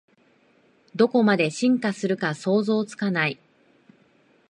どこまで進化するか想像つかない